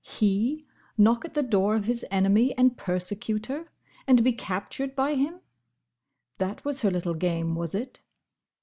He knock at the door of his enemy and persecutor! and be captured by him! That was her little game, was it?